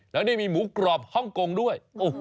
แล้วนี่มีหมูกรอบฮ่องกงด้วย